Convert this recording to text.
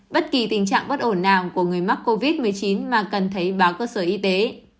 bất kỳ tình trạng bất ổn nào của người mắc covid một mươi chín mà cần thấy báo cơ sở y tế